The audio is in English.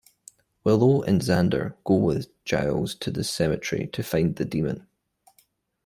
Willow and Xander go with Giles to the cemetery to find the demon.